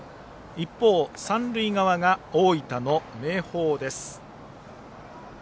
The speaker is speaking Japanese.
一方、三塁側が大分の明豊です。